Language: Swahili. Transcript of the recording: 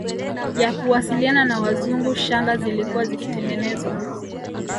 ya kuwasiliana na Wazungu shanga zilikuwa zikitengenezwa